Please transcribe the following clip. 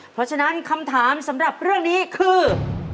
เพราะฉะนั้นคำถามสำหรับเรื่องนี้คือ